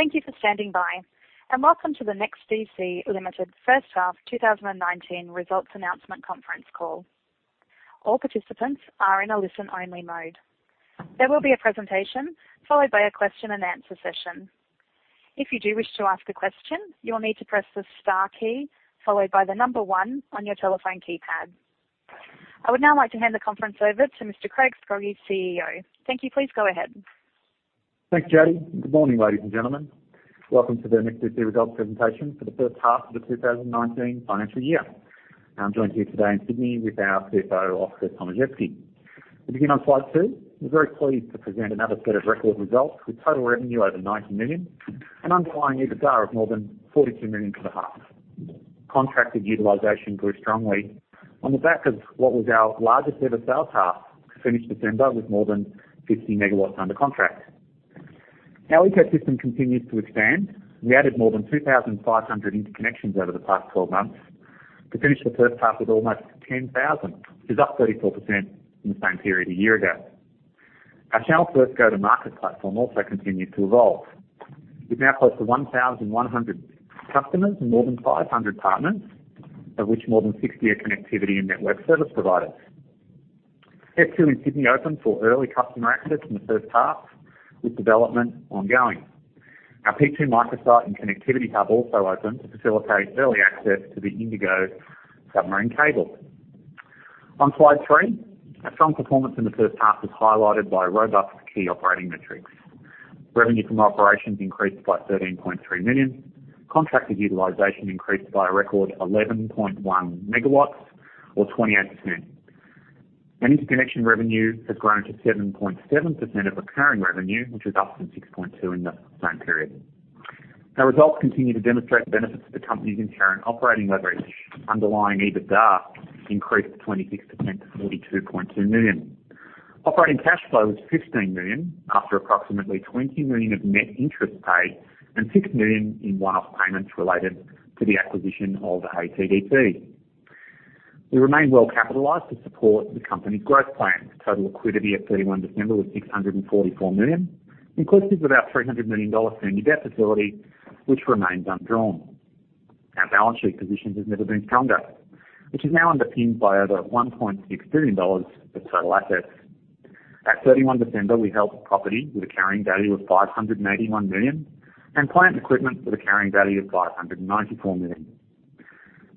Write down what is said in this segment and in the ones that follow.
Thank you for standing by, welcome to the NEXTDC Limited first half 2019 results announcement conference call. All participants are in a listen-only mode. There will be a presentation followed by a question and answer session. If you do wish to ask a question, you will need to press the star key followed by the number one on your telephone keypad. I would now like to hand the conference over to Mr. Craig Scroggie, CEO. Thank you. Please go ahead. Thanks, Jody. Good morning, ladies and gentlemen. Welcome to the NEXTDC results presentation for the first half of the 2019 financial year. I'm joined here today in Sydney with our CFO, Oskar Tomaszewski. We begin on slide two. We're very pleased to present another set of record results with total revenue over 90 million and underlying EBITDA of more than 42 million for the half. Contracted utilization grew strongly on the back of what was our largest ever sales half, finished December with more than 50 MW under contract. Our ecosystem continues to expand. We added more than 2,500 interconnections over the past 12 months to finish the first half with almost 10,000. This is up 34% from the same period a year ago. Our Self-Serve go-to-market platform also continued to evolve. We're now close to 1,100 customers and more than 500 partners, of which more than 60 are connectivity and network service providers. S2 in Sydney opened for early customer access in the first half, with development ongoing. Our P2 microsite and connectivity hub also opened to facilitate early access to the INDIGO submarine cable. On slide three, our strong performance in the first half was highlighted by robust key operating metrics. Revenue from operations increased by 13.3 million. Contracted utilization increased by a record 11.1 MW or 28%, and interconnection revenue has grown to 7.7% of recurring revenue, which was up from 6.2% in the same period. Our results continue to demonstrate the benefits of the company's inherent operating leverage. Underlying EBITDA increased to 26% 42.2 million. Operating cash flow was 15 million, after approximately 20 million of net interest paid and 6 million in one-off payments related to the acquisition of APDC. We remain well-capitalized to support the company's growth plans. Total liquidity at 31 December was 644 million, inclusive of about 300 million dollars senior debt facility, which remains undrawn. Our balance sheet positions has never been stronger, which is now underpinned by over 1.6 billion dollars of total assets. At 31 December, we held property with a carrying value of 581 million and plant equipment with a carrying value of 594 million.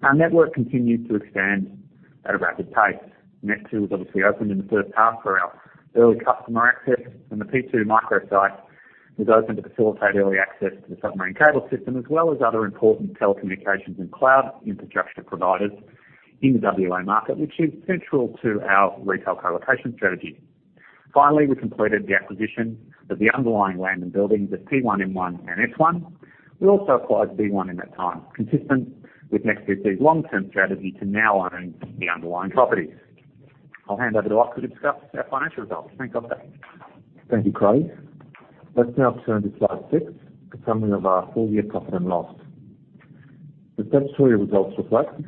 Our network continued to expand at a rapid pace. Next two was obviously opened in the first half for our early customer access. The P2 microsite was open to facilitate early access to the submarine cable system, as well as other important telecommunications and cloud infrastructure providers in the W.A. market, which is central to our retail colocation strategy. Finally, we completed the acquisition of the underlying land and buildings at P1, M1, and S1. We also acquired B1 in that time, consistent with NEXTDC's long-term strategy to now own the underlying properties. I will hand over to Oskar to discuss our financial results. Thanks, everybody. Thank you, Craig. Let's now turn to slide six, a summary of our full year profit and loss. The statutory results reflect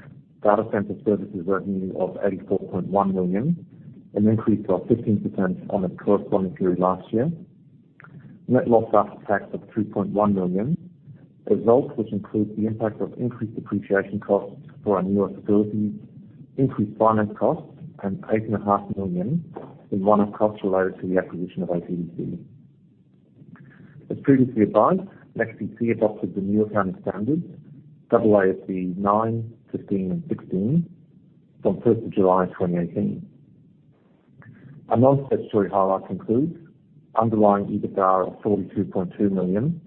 data center services revenue of 84.1 million, an increase of 15% on the corresponding period last year. Net loss after tax of 3.1 million, a result which includes the impact of increased depreciation costs for our newer facilities, increased finance costs, and 8.5 million in one-off costs related to the acquisition of APDC. As previously advised, NEXTDC adopted the new accounting standards, AASB 9, 15, and 16, from 1st of July 2018. Our non-statutory highlights include underlying EBITDA of 42.2 million,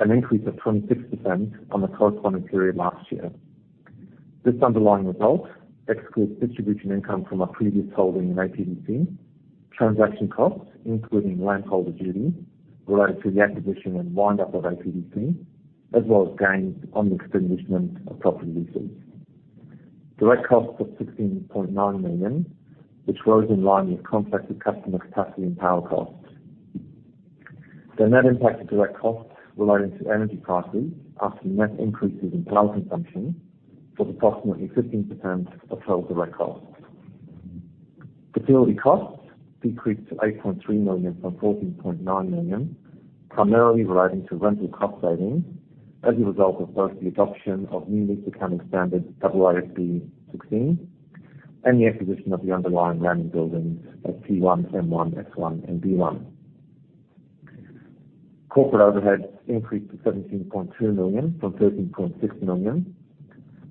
an increase of 26% on the corresponding period last year. This underlying result excludes distribution income from our previous holding in APDC, transaction costs including landholder duty related to the acquisition and wind-up of APDC, as well as gains on the extinguishment of property leases. Direct costs of 16.9 million, which rose in line with contracted customer capacity and power costs. The net impact of direct costs relating to energy prices after net increases in power consumption was approximately 15% of total direct costs. Facility costs decreased to 8.3 million from 14.9 million, primarily relating to rental cost savings as a result of both the adoption of new lease accounting standards AASB 16 and the acquisition of the underlying land and buildings at P1, M1, S1, and B1. Corporate overhead increased to 17.2 million from 13.6 million,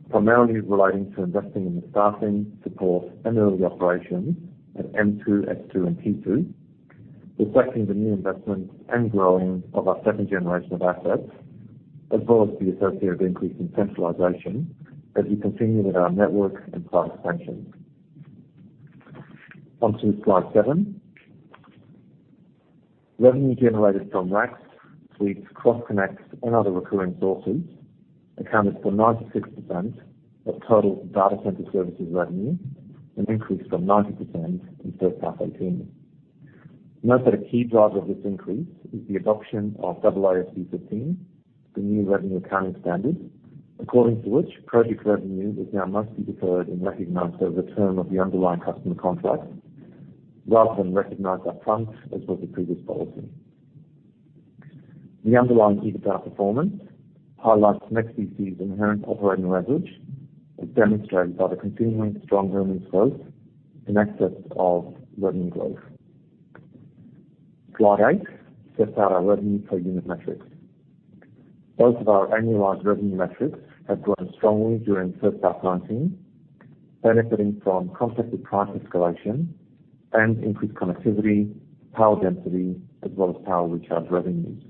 primarily relating to investing in the staffing, support, and early operations at M2, S2, and P2, reflecting the new investment and growing of our second generation of assets, as well as the associated increase in centralization as we continue with our network and cloud expansion. On to slide seven. Revenue generated from racks, suites, Cross Connects, and other recurring sources accounted for 96% of total data center services revenue, an increase from 90% in first half 2018. Note that a key driver of this increase is the adoption of AASB 15, the new revenue accounting standard, according to which project revenue is now mostly deferred and recognized over the term of the underlying customer contract. Rather than recognized upfront as was the previous policy. The underlying EBITDA performance highlights NEXTDC's inherent operating leverage, as demonstrated by the continuing strong earnings growth in excess of revenue growth. Slide eight sets out our revenue per unit metrics. Both of our annualized revenue metrics have grown strongly during first half 2019, benefiting from contracted price escalation and increased connectivity, power density, as well as power recharge revenues.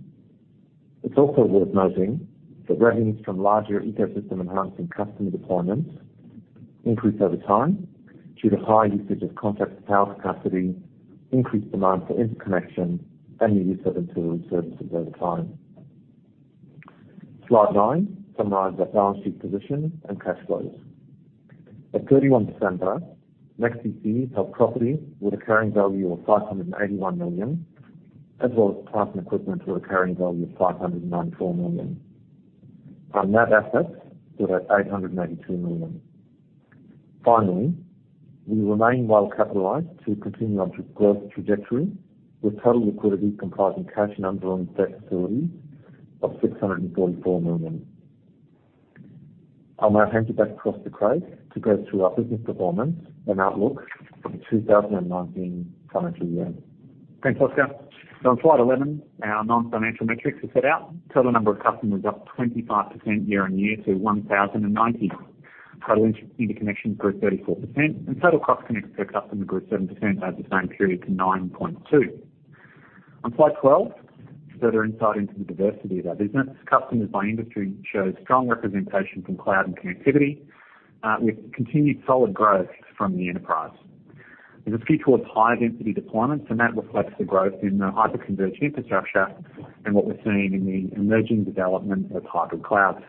It's also worth noting that revenues from larger ecosystem enhancing customer deployments increase over time due to higher usage of contracted power capacity, increased demand for interconnection, and the use of them to services over time. Slide nine summarizes our balance sheet position and cash flows. At 31 December, NEXTDC held property with a carrying value of 581 million, as well as plant and equipment with a carrying value of 594 million. Our net assets stood at 882 million. Finally, we remain well capitalized to continue our growth trajectory, with total liquidity comprising cash and underlying debt facilities of AUD 644 million. I'll now hand you back across to Craig to go through our business performance and outlook for the 2019 financial year. Thanks, Oskar. On slide 11, our non-financial metrics are set out. Total number of customers up 25% year-over-year to 1,090. Total interconnections grew 34%, and total Cross Connects per customer grew 7% over the same period to 9.2. On slide 12, further insight into the diversity of our business. Customers by industry shows strong representation from cloud and connectivity, with continued solid growth from the enterprise. There's a shift towards higher density deployments, and that reflects the growth in the hyper-converged infrastructure and what we're seeing in the emerging development of hybrid clouds.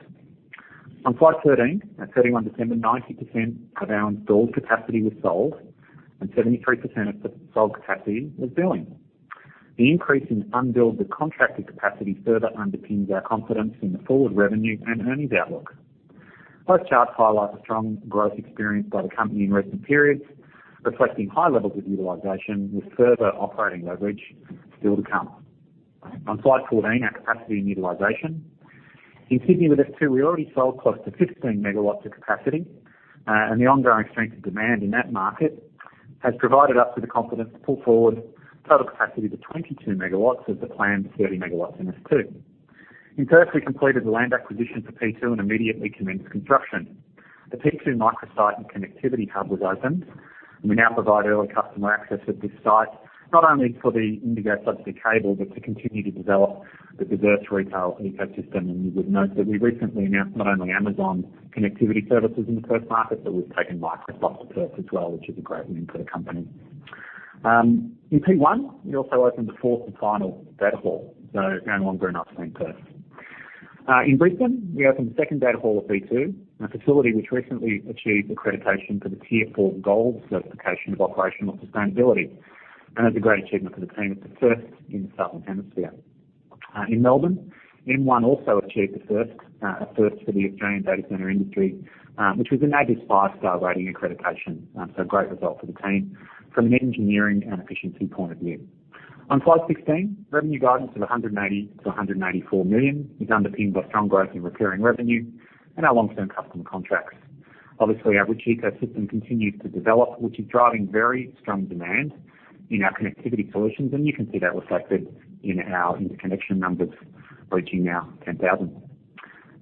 On slide 13, at 31 December, 90% of our billed capacity was sold, and 73% of the sold capacity was billing. The increase in unbilled but contracted capacity further underpins our confidence in the forward revenue and earnings outlook. Both charts highlight the strong growth experienced by the company in recent periods, reflecting high levels of utilization with further operating leverage still to come. On slide 14, our capacity and utilization. In Sydney with S2, we already sold close to 15 MW of capacity, and the ongoing strength of demand in that market has provided us with the confidence to pull forward total capacity to 22 MW of the planned 30 MW in S2. In Perth, we completed the land acquisition for P2 and immediately commenced construction. The P2 microsite and connectivity hub was opened, and we now provide early customer access at this site, not only for the INDIGO subsea cable, but to continue to develop the diverse retail ecosystem. You would note that we recently announced not only Amazon connectivity services in the Perth market, but we've taken Microsoft to Perth as well, which is a great win for the company. In P1, we also opened the fourth and final data hall. No longer an offspring to Perth. In Brisbane, we opened the second data hall of P2, a facility which recently achieved accreditation for the Tier IV Gold Certification of Operational Sustainability. That's a great achievement for the team. It's a first in the Southern Hemisphere. In Melbourne, M1 also achieved a first, a first for the Australian data center industry, which was a NABERS five-star rating accreditation. A great result for the team from an engineering and efficiency point of view. On slide 16, revenue guidance of 180 million to 184 million is underpinned by strong growth in recurring revenue and our long-term customer contracts. Obviously, our rich ecosystem continues to develop, which is driving very strong demand in our connectivity solutions, and you can see that reflected in our interconnection numbers approaching now 10,000.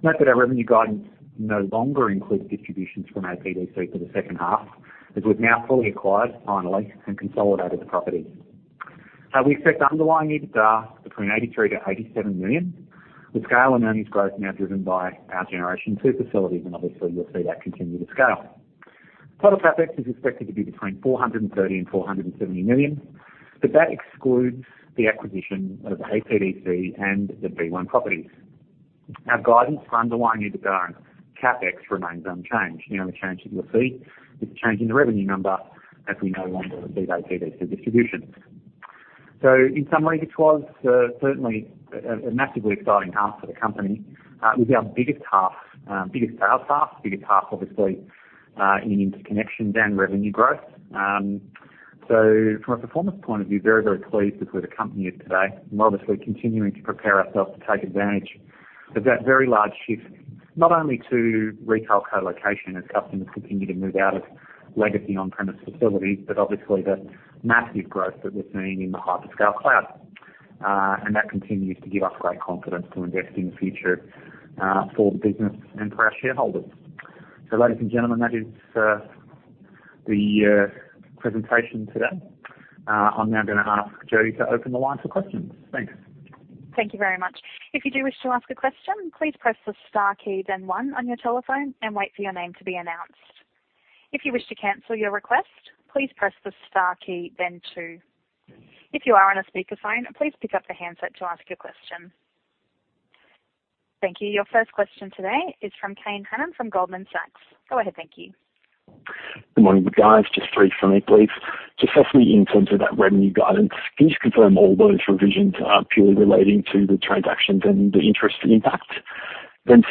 Note that our revenue guidance no longer includes distributions from APDC for the second half, as we've now fully acquired, finally, and consolidated the properties. We expect underlying EBITDA between 83 million to 87 million, with scale and earnings growth now driven by our Generation 2 facilities, and obviously you'll see that continue to scale. Total CapEx is expected to be between 430 million and 470 million, but that excludes the acquisition of APDC and the B1 properties. Our guidance for underlying EBITDA and CapEx remains unchanged. The only change that you'll see is the change in the revenue number as we no longer receive APDC distributions. In summary, it was certainly a massively exciting half for the company. It was our biggest half, biggest sales half, biggest half, obviously, in interconnections and revenue growth. From a performance point of view, very, very pleased with where the company is today and obviously continuing to prepare ourselves to take advantage of that very large shift, not only to retail colocation as customers continue to move out of legacy on-premise facilities, but obviously the massive growth that we're seeing in the hyperscale cloud. That continues to give us great confidence to invest in the future for the business and for our shareholders. Ladies and gentlemen, that is the presentation today. I'm now going to ask Jody to open the line for questions. Thanks. Thank you very much. If you do wish to ask a question, please press the star key, then one on your telephone and wait for your name to be announced. If you wish to cancel your request, please press the star key, then two. If you are on a speakerphone, please pick up the handset to ask your question. Thank you. Your first question today is from Kane Hannan from Goldman Sachs. Go ahead. Thank you. Good morning, guys, just three from me, please. Firstly, in terms of that revenue guidance, can you confirm all those revisions are purely relating to the transactions and the interest impact?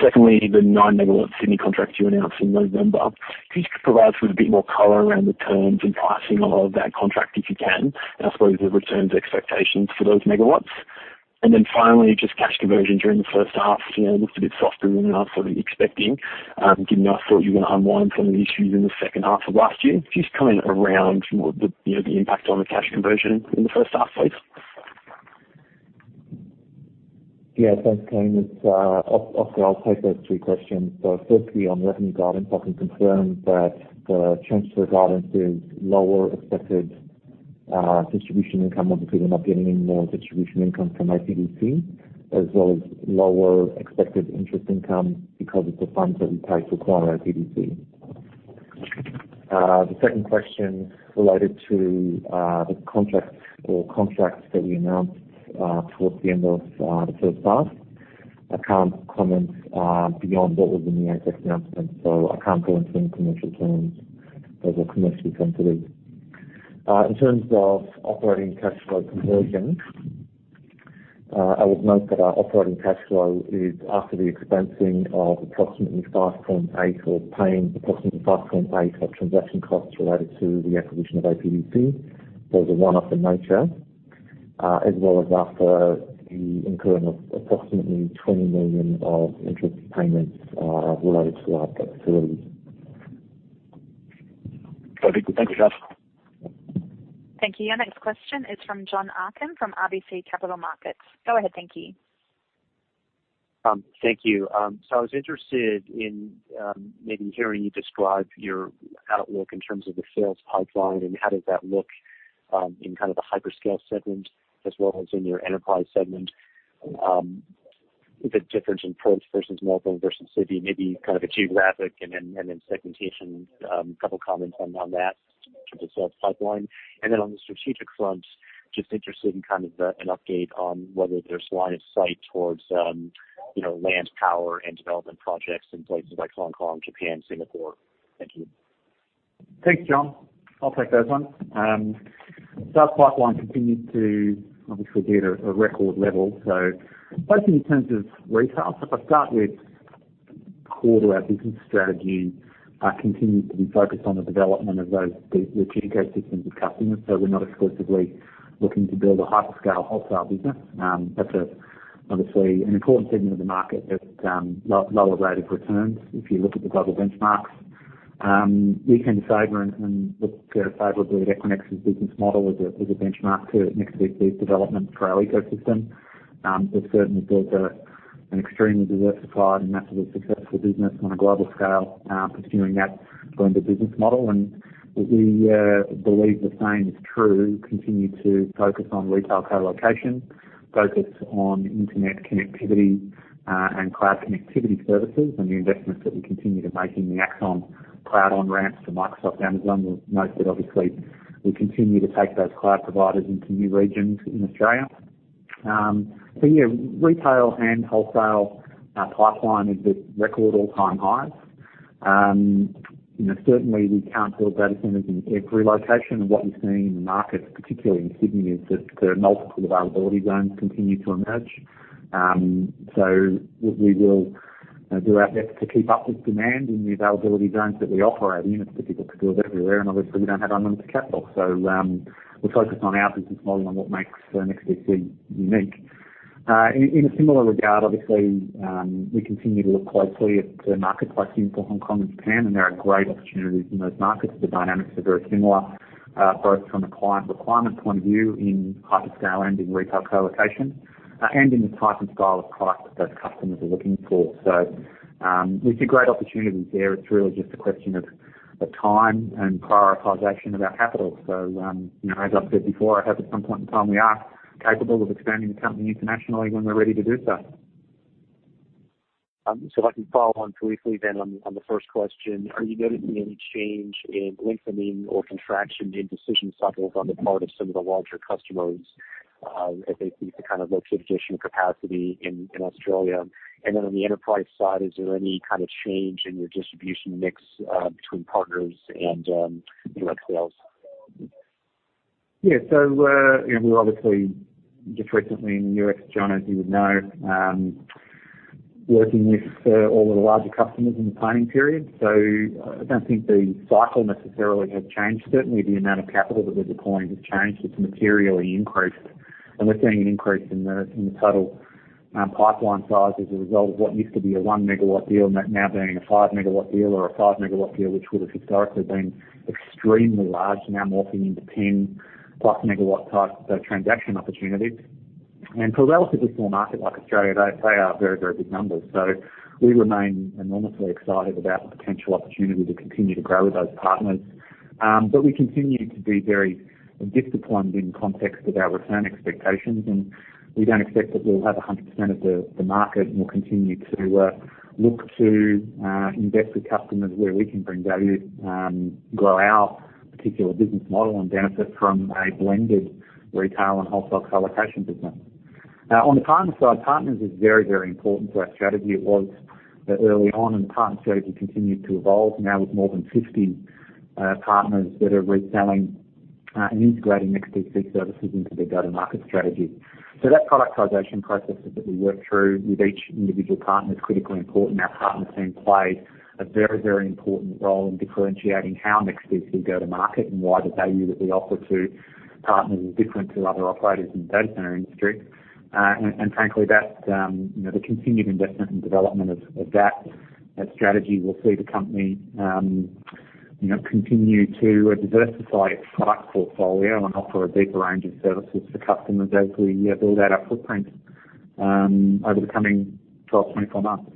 Secondly, the nine megawatt Sydney contract you announced in November. Can you just provide us with a bit more color around the terms and pricing of that contract, if you can, and I suppose the returns expectations for those megawatts. Finally, just cash conversion during the first half, it looked a bit softer than I was sort of expecting, given I thought you were going to unwind some of the issues in the second half of last year. Just comment around more the impact on the cash conversion in the first half, please. Thanks, Kane. I'll take those three questions. Firstly, on revenue guidance, I can confirm that the change to the guidance is lower expected distribution income. Obviously, we're not getting any more distribution income from APDC, as well as lower expected interest income because of the funds that we paid for Core APDC. The second question related to the contract or contracts that we announced towards the end of the first half. I can't comment beyond what was in the ASX announcement. I can't go into any commercial terms. Those are commercially sensitive. In terms of operating cash flow conversion, I would note that our operating cash flow is after the expensing of approximately 5.8 or paying approximately 5.8 of transaction costs related to the acquisition of APDC. That was a one-off in nature, as well as after the incurring of approximately 20 million of interest payments related to our debt facilities. Perfect. Thank you, [Shaf]. Thank you. Our next question is from John Aiken from ABC Capital Markets. Go ahead, thank you. Thank you. I was interested in maybe hearing you describe your outlook in terms of the sales pipeline and how does that look in kind of the hyperscale segment as well as in your enterprise segment. The difference in Perth versus Melbourne versus Sydney, maybe kind of a geographic and then segmentation, a couple comments on that in terms of sales pipeline. On the strategic front, just interested in kind of an update on whether there's line of sight towards land, power, and development projects in places like Hong Kong, Japan, Singapore. Thank you. Thanks, John. I'll take those ones. Sales pipeline continues to, obviously, be at a record level. Both in terms of retail. If I start with core to our business strategy and continue to be focused on the development of those, the strategic ecosystems of customers. We're not exclusively looking to build a hyperscale wholesale business. That's obviously an important segment of the market that's lower rate of returns, if you look at the global benchmarks. We can favor and look favorably at Equinix's business model as a benchmark to NEXTDC's development for our ecosystem. They've certainly built an extremely diversified and massively successful business on a global scale, pursuing that blended business model. We believe the same is true, continue to focus on retail colocation, focus on internet connectivity and cloud connectivity services, and the investments that we continue to make in the AXON cloud on-ramps to Microsoft, Amazon. You'll note that obviously we continue to take those cloud providers into new regions in Australia. Yeah, retail and wholesale pipeline is at record all-time highs. Certainly, we can't build data centers in every location and what we're seeing in the market, particularly in Sydney, is that the multiple availability zones continue to emerge. We will do our best to keep up with demand in the availability zones that we operate in. It's difficult to do it everywhere, and obviously we don't have unlimited capital. We're focused on our business model and what makes NEXTDC unique. In a similar regard, obviously, we continue to look closely at markets like Singapore, Hong Kong, and Japan, and there are great opportunities in those markets. The dynamics are very similar, both from a client requirement point of view in hyperscale and in retail colocation, and in the type and style of product that those customers are looking for. There's some great opportunities there. It's really just a question of time and prioritization of our capital. As I've said before, I hope at some point in time we are capable of expanding the company internationally when we're ready to do so. If I can follow on briefly on the first question, are you noticing any change in lengthening or contraction in decision cycles on the part of some of the larger customers as they seek to kind of locate additional capacity in Australia? On the enterprise side, is there any kind of change in your distribution mix between partners and direct sales? We're obviously just recently in the U.S., John, as you would know, working with all of the larger customers in the planning period. I don't think the cycle necessarily has changed. Certainly, the amount of capital that we're deploying has changed. It's materially increased, and we're seeing an increase in the total pipeline size as a result of what used to be a one megawatt deal now being a five megawatt deal or a five megawatt deal, which would've historically been extremely large, now morphing into 10+ megawatt type transaction opportunities. For a relatively small market like Australia, they are very, very big numbers. We remain enormously excited about the potential opportunity to continue to grow with those partners. We continue to be very disciplined in context of our return expectations, and we don't expect that we'll have 100% of the market, and we'll continue to look to invest with customers where we can bring value, grow our particular business model, and benefit from a blended retail and wholesale colocation business. On the partner side, partners is very, very important to our strategy. It was early on, and the partner strategy continued to evolve. Now with more than 50 partners that are reselling and integrating NEXTDC services into their go-to-market strategy. That productization processes that we work through with each individual partner is critically important. Our partner team plays a very important role in differentiating how NEXTDC go to market and why the value that we offer to partners is different to other operators in the data center industry. Frankly, the continued investment and development of that strategy will see the company continue to diversify its product portfolio and offer a deeper range of services to customers as we build out our footprint over the coming 12, 24 months.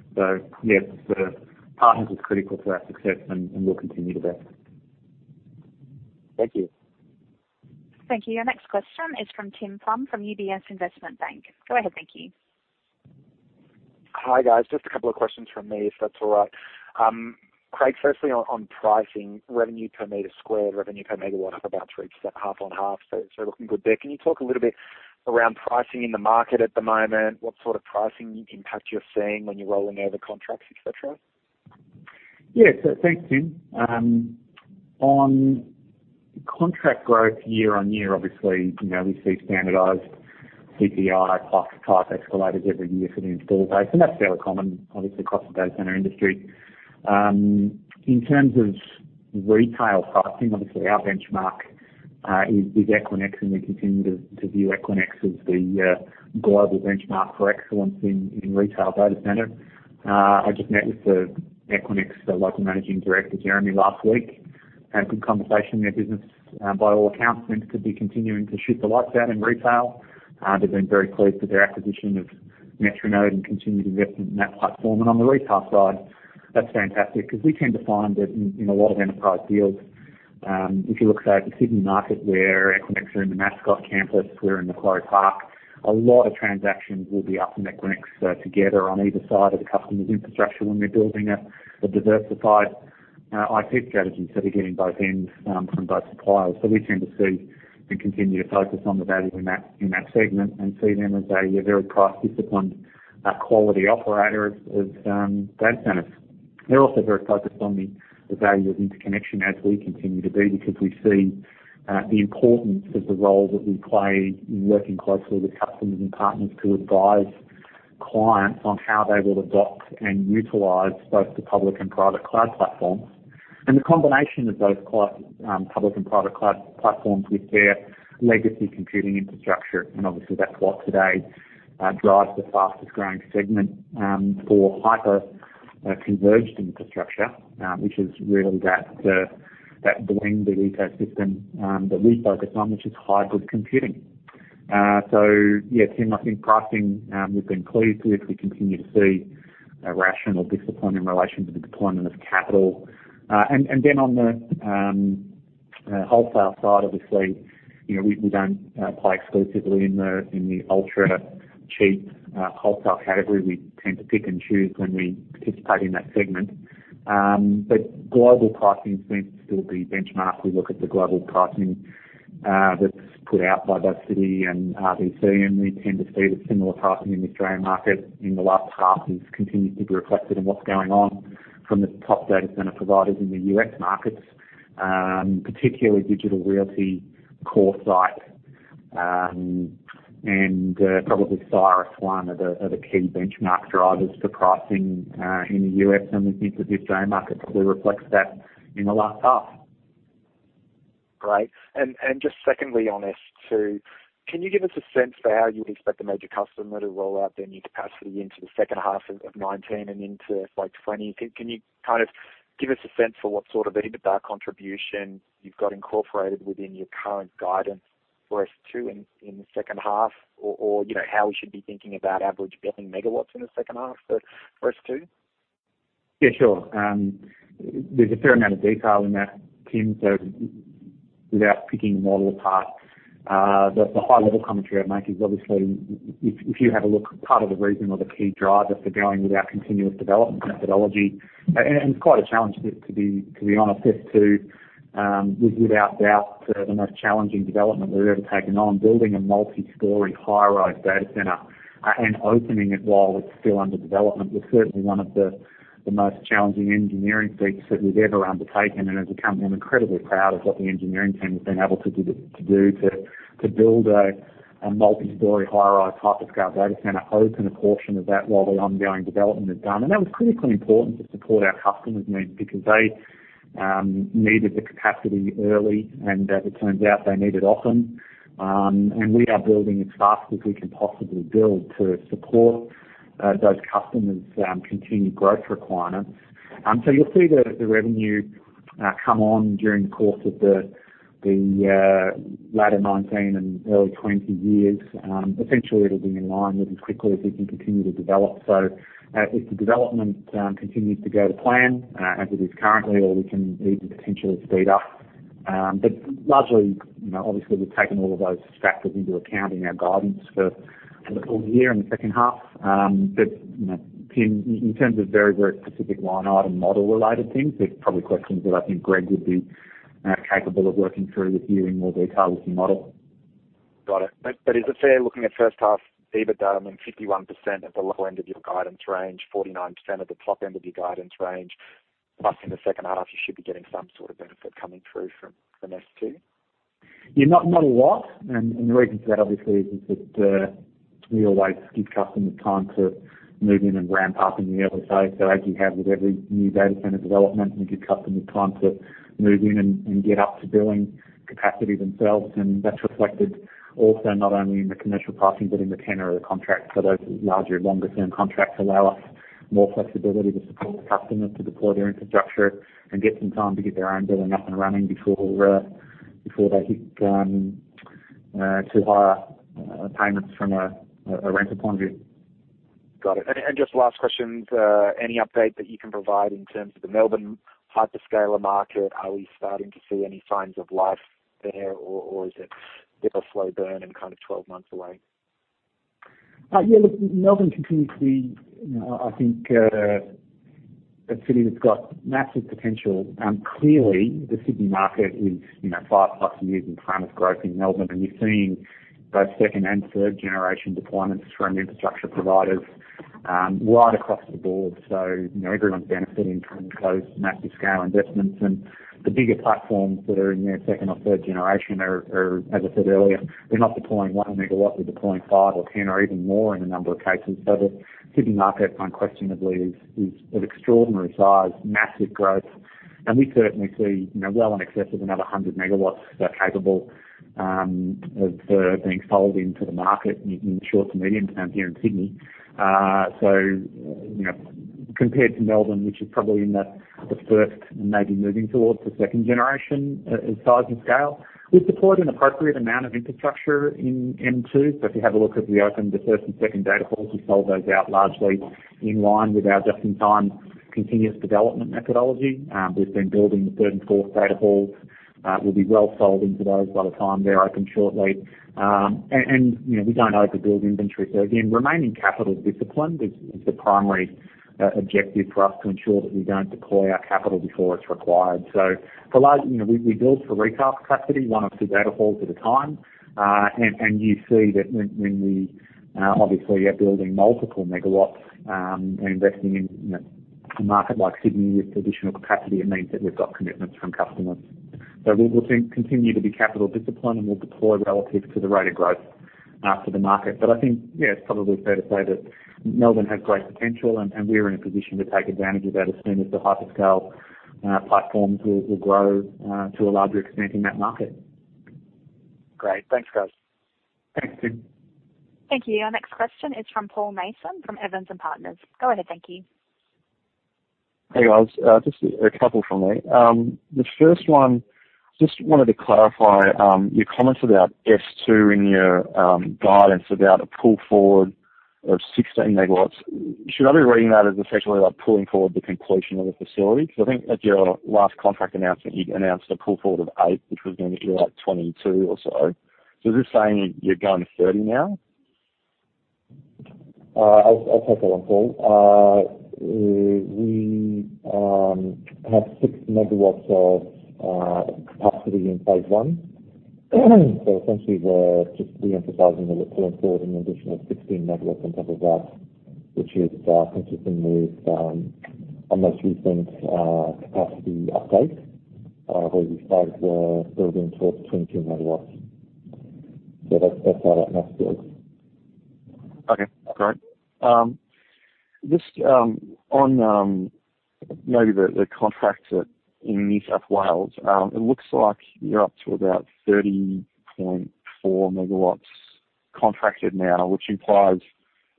Yeah, the partners is critical to our success, and will continue to be. Thank you. Thank you. Your next question is from Tim Plumbe from UBS Investment Bank. Go ahead, thank you. Hi, guys. Just a couple of questions from me, if that's all right. Craig, firstly, on pricing revenue per meter squared, revenue per megawatt, up about 3%, half on half. Looking good there. Can you talk a little bit around pricing in the market at the moment, what sort of pricing impact you're seeing when you're rolling over contracts, et cetera? Thanks, Tim. On contract growth year-on-year, obviously, we see standardized CPI plus type escalators every year for the install base, and that's fairly common, obviously, across the data center industry. In terms of retail pricing, obviously our benchmark is Equinix, and we continue to view Equinix as the global benchmark for excellence in retail data center. I just met with the Equinix local managing director, Jeremy, last week. Had a good conversation. Their business, by all accounts, seems to be continuing to shoot the lights out in retail. They've been very pleased with their acquisition of Metronode and continued investment in that platform. On the retail side, that's fantastic because we tend to find that in a lot of enterprise deals, if you look, say, at the Sydney market where Equinix are in the Mascot campus, we're in Macquarie Park. A lot of transactions will be us and Equinix together on either side of the customer's infrastructure when we're building a diversified IT strategy. We're getting both ends from both suppliers. We tend to see and continue to focus on the value in that segment and see them as a very price-disciplined, quality operator of data centers. They're also very focused on the value of interconnection as we continue to be, because we see the importance of the role that we play in working closely with customers and partners to advise clients on how they will adopt and utilize both the public and private cloud platforms. The combination of those public and private cloud platforms with their legacy computing infrastructure. Obviously, that's what today drives the fastest-growing segment for hyper-converged infrastructure, which is really that blended ecosystem that we focus on, which is hybrid computing. Yeah, Tim, I think pricing we've been pleased with. We continue to see a rational discipline in relation to the deployment of capital. On the wholesale side, obviously, we don't play exclusively in the ultra-cheap wholesale category. We tend to pick and choose when we participate in that segment. Global pricing seems to still be benchmarked. We look at the global pricing that's put out by [Diversity] and RBC, and we tend to see the similar pricing in the Australian market in the last half has continued to be reflected on what's going on from the top data center providers in the U.S. markets. Particularly Digital Realty, CoreSite, and probably CyrusOne are the key benchmark drivers for pricing in the U.S. We think that the Australian market probably reflects that in the last half. Great. Just secondly on S2, can you give us a sense for how you would expect a major customer to roll out their new capacity into the second half of 2019 and into 2020? Can you give us a sense for what sort of EBITDA contribution you've got incorporated within your current guidance for S2 in the second half or how we should be thinking about average building megawatts in the second half for S2? Yeah, sure. There's a fair amount of detail in that, Tim. Without picking the model apart, the high-level commentary I'd make is obviously, if you have a look, part of the reason or the key driver for going with our continuous development methodology, and it's quite a challenge to be honest, S2 was without doubt the most challenging development we've ever taken on. Building a multi-story high-rise data center and opening it while it's still under development was certainly one of the most challenging engineering feats that we've ever undertaken. As a company, I'm incredibly proud of what the engineering team has been able to do to build a multi-story, high-rise, hyperscale data center, open a portion of that while the ongoing development is done. That was critically important to support our customers' needs, because they needed the capacity early, and as it turns out, they need it often. We are building as fast as we can possibly build to support those customers' continued growth requirements. You'll see the revenue come on during the course of the latter 2019 and early 2020 years. Essentially, it'll be in line with as quickly as we can continue to develop. If the development continues to go to plan as it is currently, or we can even potentially speed up. Largely, obviously, we've taken all of those factors into account in our guidance for the full year in the second half. Tim, in terms of very specific line item model-related things, they're probably questions that I think Greg would be capable of working through with you in more detail with your model. Got it. Is it fair looking at first half EBITDA, I mean, 51% at the lower end of your guidance range, 49% at the top end of your guidance range, plus in the second half, you should be getting some sort of benefit coming through from S2? Yeah, not a lot. The reason for that obviously is that we always give customers time to move in and ramp up in the early days. As you have with every new data center development, we give customers time to move in and get up to billing capacity themselves. That's reflected also not only in the commercial pricing, but in the tenure of the contract. Those larger longer-term contracts allow us more flexibility to support the customer to deploy their infrastructure and get some time to get their own billing up and running before they hit too high payments from a rent point of view. Got it. Just last question, any update that you can provide in terms of the Melbourne hyperscaler market? Are we starting to see any signs of life there, or is it bit of a slow burn and kind of 12 months away? Melbourne continues to be, I think, a city that's got massive potential. Clearly, the Sydney market is 5+ years in terms of growth in Melbourne, and you're seeing both second and third-generation deployments from infrastructure providers right across the board. Everyone's benefiting from those massive scale investments and the bigger platforms that are in their second or third generation are, as I said earlier, they're not deploying 1 megawatt, they're deploying 5 or 10 or even more in a number of cases. The Sydney market unquestionably is of extraordinary size, massive growth, and we certainly see well in excess of another 100 megawatts capable of being sold into the market in short- to medium-term here in Sydney. Compared to Melbourne, which is probably in the first and maybe moving towards the second generation in size and scale, we support an appropriate amount of infrastructure in M2. If you have a look at the open, the first and second data halls, we sold those out largely in line with our just-in-time continuous development methodology. We've been building the third and fourth data halls. We'll be well sold into those by the time they're open shortly. We don't overbuild inventory. Again, remaining capital disciplined is the primary objective for us to ensure that we don't deploy our capital before it's required. For large, we build for retail capacity, 1 or 2 data halls at a time. You see that when we obviously are building multiple megawatts and investing in a market like Sydney with additional capacity, it means that we've got commitments from customers. We will continue to be capital disciplined, and we'll deploy relative to the rate of growth for the market. I think it's probably fair to say that Melbourne has great potential, and we're in a position to take advantage of that as soon as the hyperscale platforms will grow to a larger extent in that market. Great. Thanks, guys. Thanks, Tim. Thank you. Your next question is from Paul Mason from Evans and Partners. Go ahead, thank you. Hey, guys. Just a couple from me. The first one, just wanted to clarify your comments about S2 in your guidance about a pull forward of 16 megawatts. Should I be reading that as essentially like pulling forward the completion of the facility? I think at your last contract announcement, you'd announced a pull forward of eight, which was going to be like 22 or so. Is this saying you're going to 30 now? I'll take that one, Paul. We have six megawatts of capacity in phase one. Essentially, we're just re-emphasizing that we're pulling forward an additional 16 megawatts on top of that, which is consistent with our most recent capacity update, where we said we're building towards 22 megawatts. That's where that number sits. Okay, great. Just on maybe the contracts in New South Wales, it looks like you're up to about 30.4 megawatts contracted now, which implies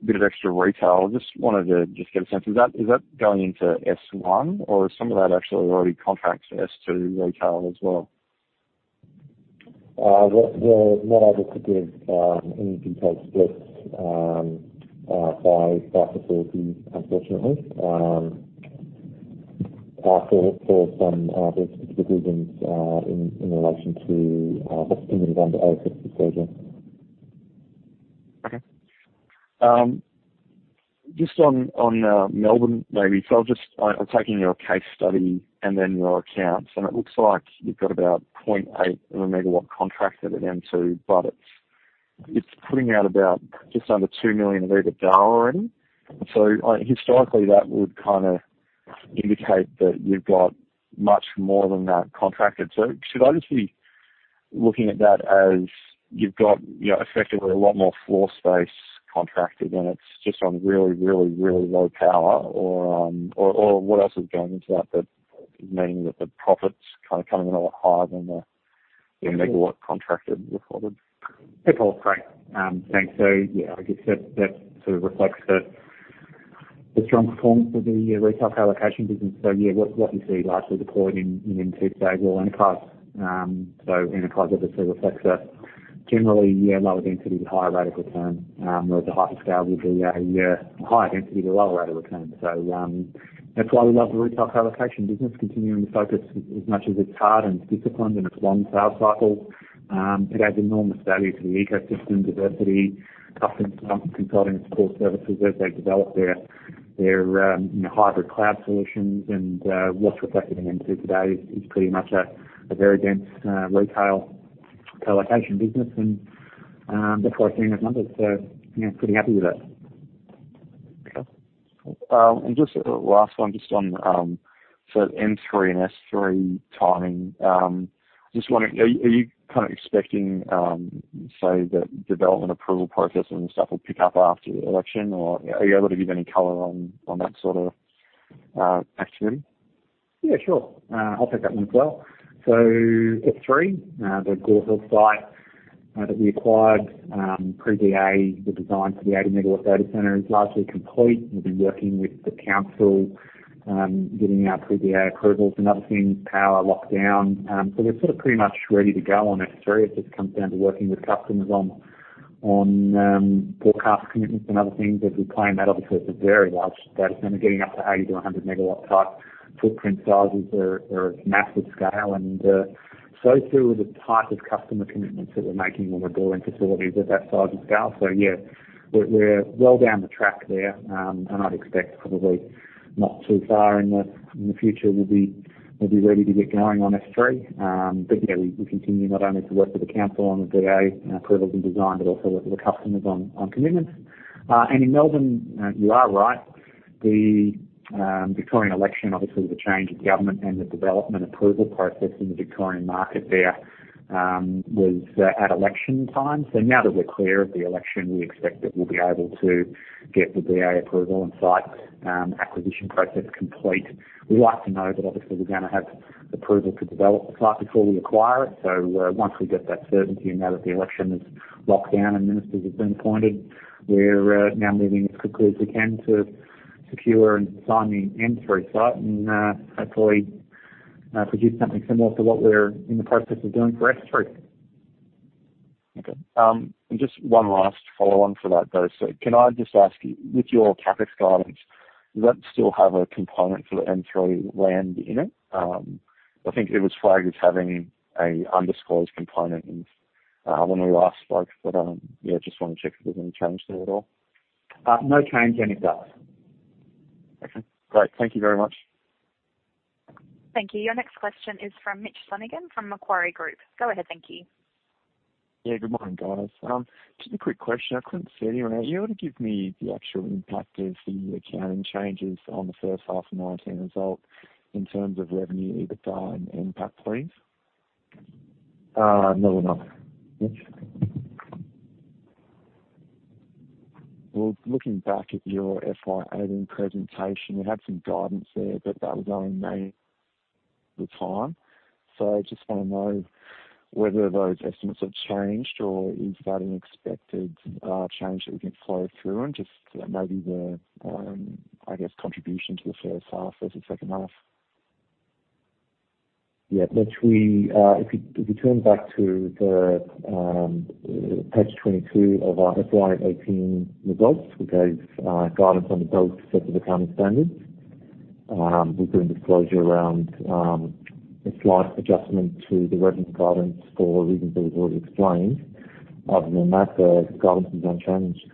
a bit of extra retail. I wanted to get a sense of that. Is that going into S1, or is some of that actually already contracted S2 retail as well? We're not able to give any detailed splits by facilities, unfortunately, for some specific reasons in relation to what's commonly known as access disclosure. Okay. Just on Melbourne, maybe. I'm taking your case study and then your accounts, and it looks like you've got about 0.8 of a megawatt contracted at M2, but it's putting out about just under 2 million of EBITDA already. Historically, that would kind of indicate that you've got much more than that contracted. Should I just be looking at that as you've got effectively a lot more floor space contracted and it's just on really low power, or what else is going into that, meaning that the profits kind of coming in a lot higher than the megawatt contracted reported? Hey, Paul. Great. Thanks. Yeah, I guess that sort of reflects the strong performance of the retail colocation business. Yeah, what you see largely deployed in M2 today is all enterprise. Enterprise obviously reflects a generally lower density to higher rate of return, where the hyperscale would be a higher density to lower rate of return. That's why we love the retail colocation business, continuing to focus as much as it's hard and it's disciplined and it's long sales cycle. It adds enormous value to the ecosystem, diversity, customer consulting and support services as they develop their hybrid cloud solutions. What's reflected in M2 today is pretty much a very dense retail colocation business, and that's why I seen those numbers. Pretty happy with it. Okay. Just a last one, just on M3 and S3 timing. Are you expecting, say, the development approval process and stuff will pick up after the election? Or are you able to give any color on that sort of activity? Yeah, sure. I'll take that one as well. S3, the Gore Hill site that we acquired, pre-DA, the design for the 80 MW data center is largely complete. We've been working with the council, getting our pre-DA approvals and other things, power, lockdown. We're pretty much ready to go on S3. It just comes down to working with customers on forecast commitments and other things. As we plan that, obviously, it's a very large data center, getting up to 80 MW to 100 MW type footprint sizes are massive scale, and so too are the type of customer commitments that we're making when we're building facilities of that size and scale. Yeah, we're well down the track there, and I'd expect probably not too far in the future, we'll be ready to get going on S3. Yeah, we continue not only to work with the council on the DA approvals and design, but also work with the customers on commitments. In Melbourne, you are right. The Victorian election, obviously with the change of government and the development approval process in the Victorian market there was at election time. Now that we're clear of the election, we expect that we'll be able to get the DA approval and site acquisition process complete. We like to know that obviously we're going to have approval to develop the site before we acquire it. Once we get that certainty and now that the election is locked down and ministers have been appointed, we're now moving as quickly as we can to secure and sign the M3 site and hopefully produce something similar to what we're in the process of doing for S3. Okay. Just one last follow-on for that, though. Can I just ask you, with your CapEx guidance, does that still have a component for the M3 land in it? I think it was flagged as having an undisclosed component when we last spoke. Yeah, just want to check if there's any change there at all. No change there, Nick. Okay, great. Thank you very much. Thank you. Your next question is from Mitch Rivett from Macquarie Group. Go ahead, thank you. Yeah, good morning, guys. Just a quick question. I couldn't see anywhere. Are you able to give me the actual impact of the accounting changes on the first half 2019 result in terms of revenue, EBITDA, and NPAT, please? No, we're not. Okay. Well, looking back at your FY 2018 presentation, we had some guidance there that that was only made at the time. I just want to know whether those estimates have changed or is that an expected change that we can flow through and just maybe the, I guess, contribution to the first half versus second half. Mitch, if you turn back to page 22 of our FY 2018 results, we gave guidance on the goals for the accounting standards. We put a disclosure around a slight adjustment to the revenue guidance for reasons that we've already explained. Other than that, the guidance is unchanged.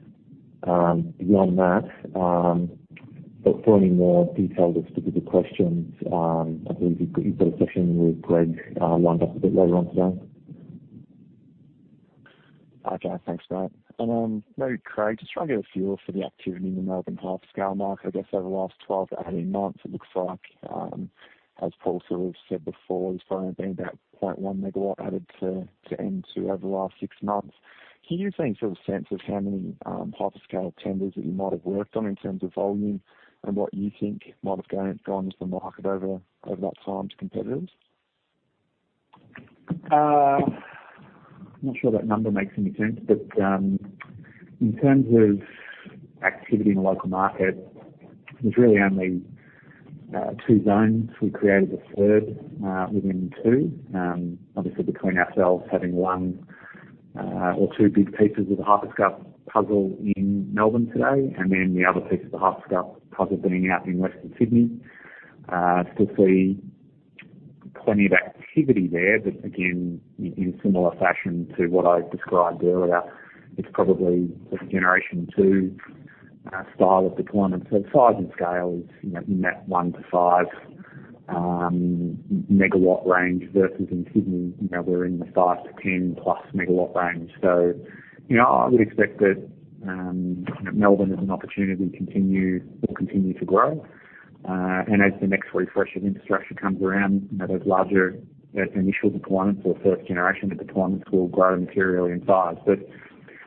Beyond that, for any more detailed or specific questions, I believe you've got a session with Greg lined up a bit later on today. Okay, thanks, mate. Maybe Craig, just trying to get a feel for the activity in the Melbourne hyperscale market, I guess over the last 12 to 18 months, it looks like, as Paul sort of said before, there's probably only been about 0.1 MW added to M2 over the last six months. Can you give me a sort of sense of how many hyperscale tenders that you might have worked on in terms of volume and what you think might have gone to the market over that time to competitors? I'm not sure that number makes any sense, but in terms of activity in the local market, there's really only two zones. We created a third within two. Obviously between ourselves having one or two big pieces of the hyperscale puzzle in Melbourne today, and then the other piece of the hyperscale puzzle being out in Western Sydney. Still see plenty of activity there, but again, in similar fashion to what I described earlier, it's probably a generation 2 style of deployment. The size and scale is in that 1-5 MW range versus in Sydney, we're in the 5-10+ MW range. I would expect that Melbourne is an opportunity and will continue to grow. As the next refresh of infrastructure comes around, those larger, that initial deployment or first generation of deployments will grow materially in size.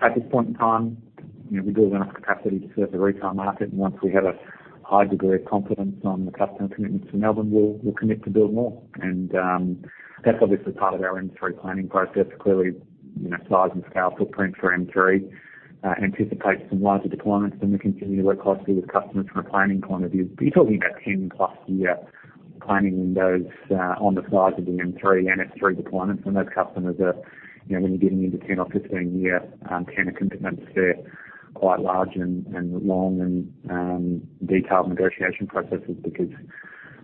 At this point in time, we build enough capacity to serve the retail market, and once we have a high degree of confidence on the customer commitments in Melbourne, we'll commit to build more. That's obviously part of our M3 planning process. Clearly, size and scale footprint for M3 anticipates some larger deployments, and we continue to work closely with customers from a planning point of view. You're talking about 10-plus year planning windows on the size of the M3 and S3 deployments, and those customers are really getting into 10 or 15-year tenant commitments. They're quite large and long and detailed negotiation processes because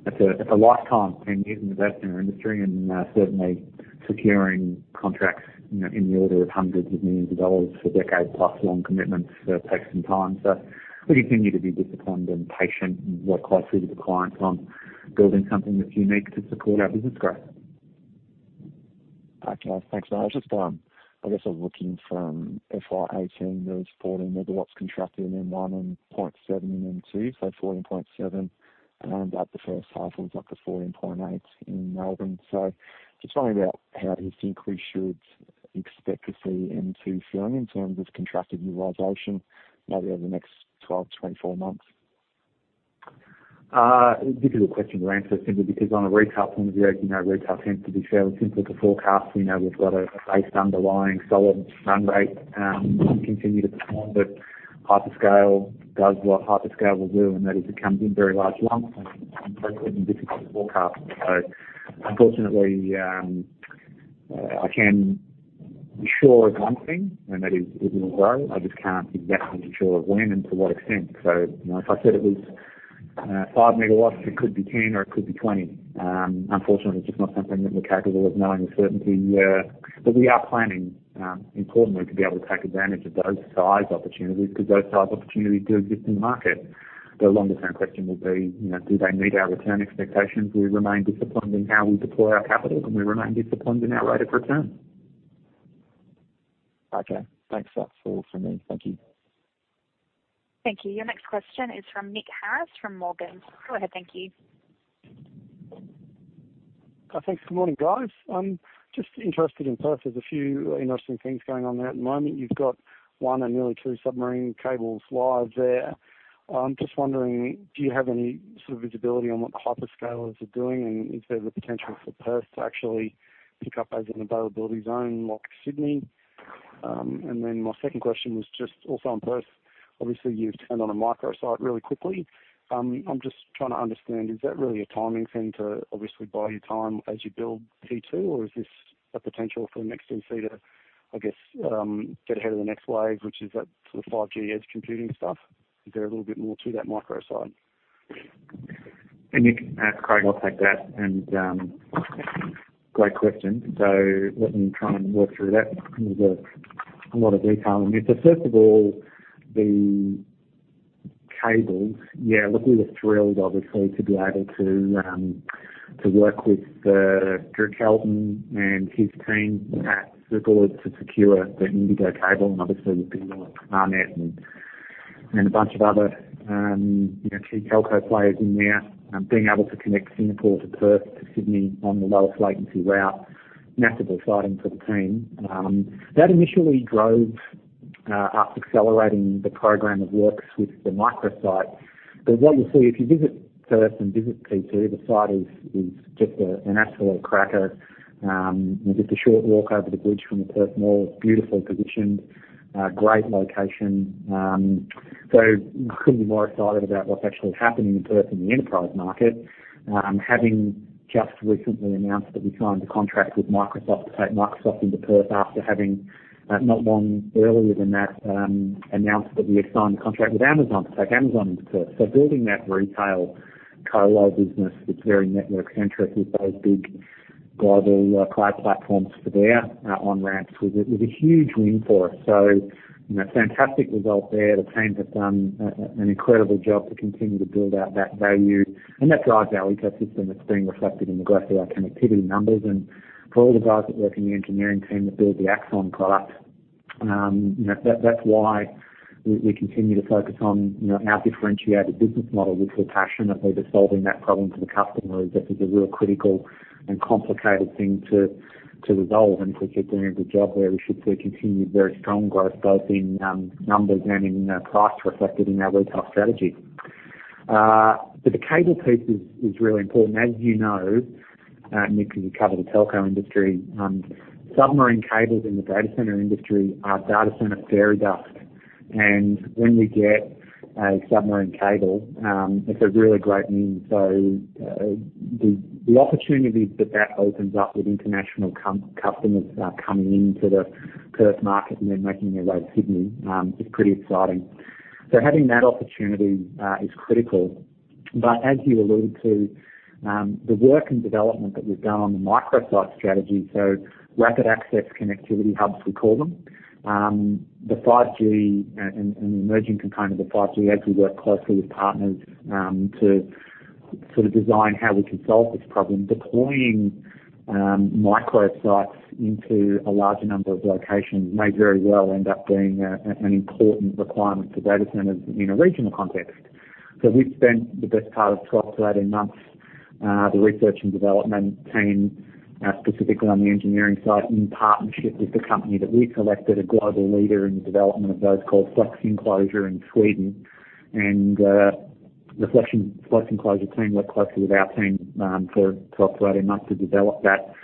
that's a lifetime, 10 years in investment in our industry, and certainly securing contracts in the order of hundreds of millions of AUD for decade-plus long commitments takes some time. We continue to be disciplined and patient and work closely with the clients on building something that's unique to support our business growth. Okay. Thanks, Matt. I guess I was looking from FY 2018, there was 14 MW contracted in M1 and 0.7 in M2, so 14.7. The first half was up to 14.8 in Melbourne. Just wondering about how do you think we should expect to see M2 going in terms of contracted utilization maybe over the next 12 to 24 months? Difficult question to answer, simply because on a retail point of view, retail tends to be fairly simple to forecast. We've got a base underlying solid run rate. We continue to perform, hyperscale does what hyperscale will do, and that is it comes in very large lumps and therefore difficult to forecast. Unfortunately, I can be sure of one thing, and that is it will grow. I just can't be definite and sure of when and to what extent. If I said it was 5 megawatts, it could be 10 or it could be 20. Unfortunately, it's just not something that we're capable of knowing with certainty. We are planning, importantly, to be able to take advantage of those size opportunities, because those size opportunities do exist in the market. The longer-term question will be, do they meet our return expectations? We remain disciplined in how we deploy our capital, we remain disciplined in our rate of return. Okay. Thanks. That's all from me. Thank you. Thank you. Your next question is from Nick Harris from Morgans. Go ahead, thank you. Thanks. Good morning, guys. I'm just interested in Perth. There's a few interesting things going on there at the moment. You've got one and nearly two submarine cables live there. I'm just wondering, do you have any sort of visibility on what the hyperscalers are doing, and is there the potential for Perth to actually pick up as an availability zone like Sydney? My second question was just also on Perth. Obviously, you've turned on a micro site really quickly. I'm just trying to understand, is that really a timing thing to obviously buy you time as you build P2, or is this a potential for NEXTDC to, I guess, get ahead of the next wave, which is that sort of 5G edge computing stuff? Is there a little bit more to that micro site? Hey, Nick. Craig will take that. Great question. Let me try and work through that. There's a lot of detail in it. First of all, the cables. Yeah, look, we were thrilled, obviously, to be able to work with [Dirk Halleday] and his team at [CircleID] to secure the INDIGO cable, and obviously with people like Amnet and a bunch of other key telco players in there, being able to connect Singapore to Perth to Sydney on the lowest latency route, massively exciting for the team. That initially drove us accelerating the program of works with the micro site. What you'll see if you visit Perth and visit P2, the site is just an absolute cracker. Just a short walk over the bridge from the Perth Mall. It's beautifully positioned. Great location. Couldn't be more excited about what's actually happening in Perth in the enterprise market. Having just recently announced that we signed a contract with Microsoft to take Microsoft into Perth after having, not long earlier than that, announced that we had signed a contract with Amazon to take Amazon into Perth. Building that retail colo business that's very network-centric with those big global cloud platforms for their on-ramps was a huge win for us. Fantastic result there. The teams have done an incredible job to continue to build out that value, and that drives our ecosystem that's being reflected in the growth of our connectivity numbers. For all the guys that work in the engineering team that build the AXON product, that's why we continue to focus on our differentiated business model, which we're passionate about, is solving that problem for the customer. It's a real critical and complicated thing to resolve, and if we keep doing a good job there, we should see continued very strong growth both in numbers and in price reflected in our retail strategy. The cable piece is really important. As you know, Nick, because you cover the telco industry, submarine cables in the data center industry are data center fairy dust. When we get a submarine cable, it's a really great win. The opportunities that that opens up with international customers coming into the Perth market and then making their way to Sydney is pretty exciting. Having that opportunity is critical. As you alluded to, the work and development that we've done on the micro site strategy, so rapid access connectivity hubs, we call them. The 5G and emerging component of the 5G, as we work closely with partners to sort of design how we can solve this problem, deploying micro sites into a larger number of locations may very well end up being an important requirement for data centers in a regional context. We've spent the best part of 12-18 months, the research and development team, specifically on the engineering side, in partnership with the company that we selected, a global leader in the development of those called Flexenclosure in Sweden. The Flexenclosure team worked closely with our team for 12-18 months to develop that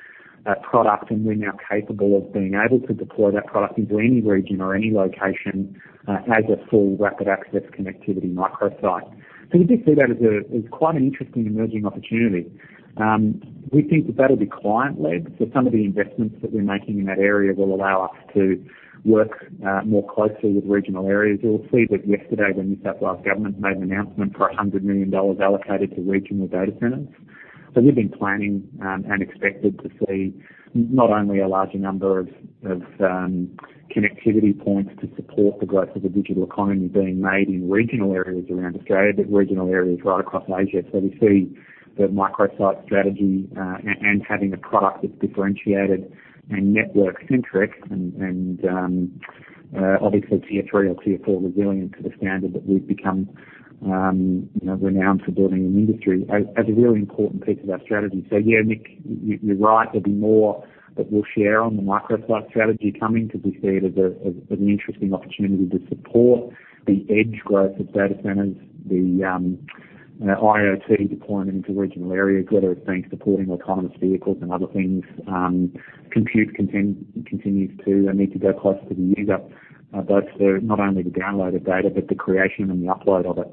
product, and we're now capable of being able to deploy that product into any region or any location as a full rapid access connectivity micro site. We do see that as quite an interesting emerging opportunity. We think that that'll be client-led. Some of the investments that we're making in that area will allow us to work more closely with regional areas. You'll see that yesterday the New South Wales government made an announcement for 100 million dollars allocated to regional data centers. We've been planning and expected to see not only a larger number of connectivity points to support the growth of the digital economy being made in regional areas around Australia, but regional areas right across Asia. We see. The microsite strategy and having a product that's differentiated and network-centric, and obviously tier 3 or tier 4 resilient to the standard that we've become renowned for building an industry, as a really important piece of our strategy. Yeah, Nick, you're right. There'll be more that we'll share on the microsite strategy coming, because we see it as an interesting opportunity to support the edge growth of data centers, the IoT deployment into regional areas, whether it's been supporting autonomous vehicles and other things. Compute continues to need to go close to the user, both for not only the download of data, but the creation and the upload of it.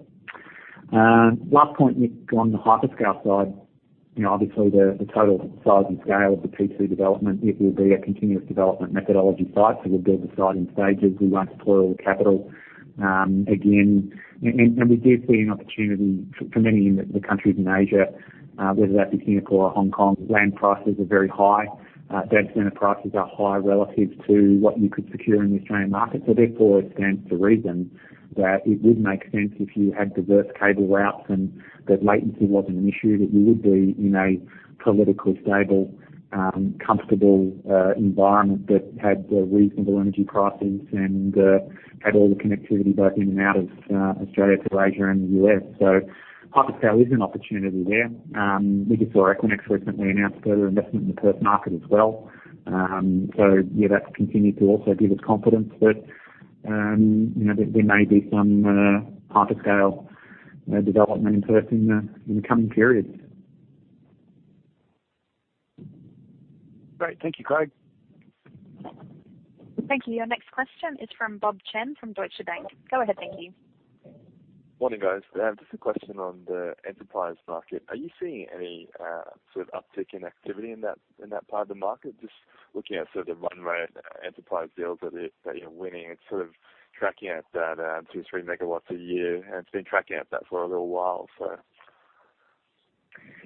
Last point, Nick, on the hyperscale side, obviously the total size and scale of the P2 development, it will be a continuous development methodology site. We'll build the site in stages. We won't deploy all the capital again. We do see an opportunity for many in the countries in Asia, whether that be Singapore or Hong Kong. Land prices are very high. Data center prices are high relative to what you could secure in the Australian market. Therefore, it stands to reason that it would make sense if you had diverse cable routes and that latency wasn't an issue, that you would be in a politically stable, comfortable environment that had reasonable energy prices and had all the connectivity both in and out of Australia to Asia and the U.S. Hyperscale is an opportunity there. We just saw Equinix recently announced further investment in the Perth market as well. Yeah, that's continued to also give us confidence that there may be some hyperscale development in Perth in the coming periods. Great. Thank you, Craig. Thank you. Your next question is from Bob Chen from Deutsche Bank. Go ahead. Thank you. Morning, guys. Just a question on the enterprise market. Are you seeing any sort of uptick in activity in that part of the market? Just looking at sort of the run rate enterprise deals that you're winning. It's sort of tracking at that two, three megawatts a year, and it's been tracking at that for a little while.